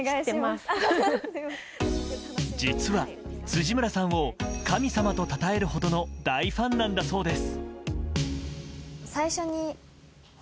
実は、辻村さんを神様とたたえるほどの大ファンなんだそうです。